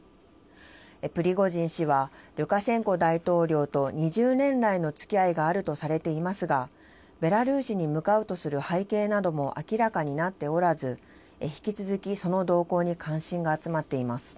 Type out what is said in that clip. プリゴジン氏はルカシェンコ大統領と２０年来のつきあいがあるとされていますが、ベラルーシに向かうとする背景なども明らかになっておらず、引き続きその動向に関心が集まっています。